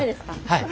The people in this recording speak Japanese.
はい。